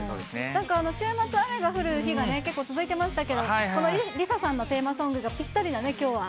なんか週末、雨が降る日が結構続いてましたけど、この梨紗さんのテーマソングがぴったりなね、きょうは。